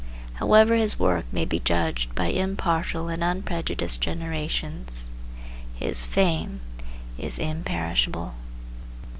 However his work may be judged by impartial and unprejudiced generations his fame is imperishable.